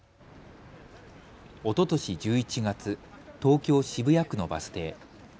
おととし１１月、東京渋谷区のバス停。